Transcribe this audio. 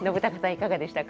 いかがでしたか？